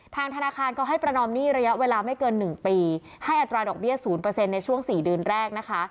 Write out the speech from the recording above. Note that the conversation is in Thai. ทางธนาคารก็ให้ประนอมหนี้ระยะเวลาไม่เกิน๑ปีให้อัตราดอกเบี้ย๐ในช่วง๔เดือนแรกนะคะ